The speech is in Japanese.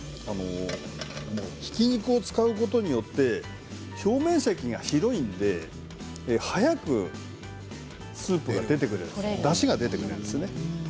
ひき肉を使うことによって表面積が広いので早くスープが出てくれるだしが出てくれるんです。